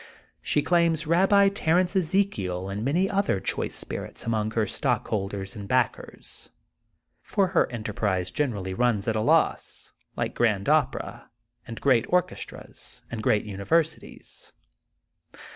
She claims Eabbi Terence Ezekiel and many other choice spirits among her stockholders and backers. Fbr her enterprise generally runs at a loss, like Grand Opera, and great orchestras, and great universities.